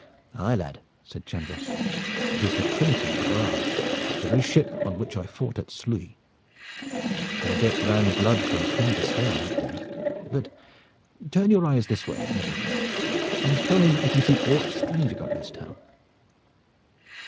"Aye, lad," said Chandos, "it is the Trinity of Rye, the very ship on which I fought at Sluys. Her deck ran blood from stem to stern that day. But turn your eyes this way, I beg you, and tell me if you see aught strange about this town."